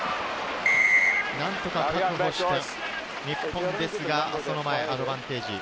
何とか確保して、日本ですが、その前、アドバンテージ。